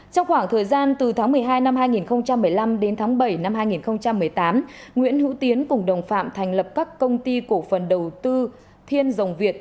trong khoảng thời gian từ tháng một mươi hai năm hai nghìn một mươi năm đến tháng bảy năm hai nghìn một mươi tám nguyễn hữu tiến cùng đồng phạm thành lập các công ty cổ phần đầu tư thiên dòng việt